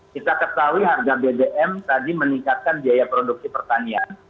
kita ketahui harga bbm tadi meningkatkan biaya produksi pertanian